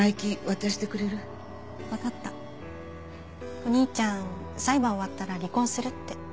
お兄ちゃん裁判終わったら離婚するって。